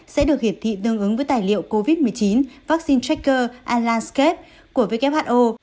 sẽ được hiển thị tương ứng với tài liệu covid một mươi chín vaccine tracker and landscape của who